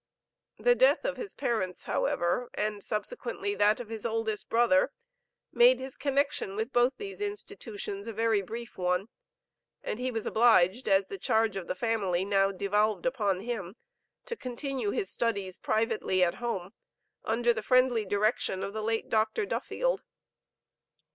The death of his parents, however, and subsequently that of his oldest brother, made his connection with both these institutions a very brief one, and he was obliged, as the charge of the family now devolved upon him, to continue his studies privately at home, under the friendly direction of the late Dr. Duffield.